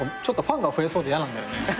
ちょっとファンが増えそうでやなんだよね。